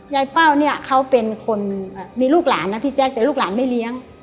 เป้าเนี่ยเขาเป็นคนมีลูกหลานนะพี่แจ๊คแต่ลูกหลานไม่เลี้ยง